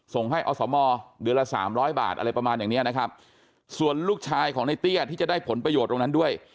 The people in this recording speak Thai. ส่งให้อสมเดือนละสามร้อยบาทอะไรประมาณอย่างเนี้ยนะครับส่วนลูกชายของในเตี้ยที่จะได้ผลประโยชน์ตรงนั้นด้วย